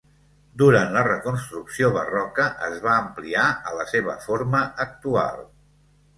Durant la reconstrucció barroca es va ampliar a la seva forma actual.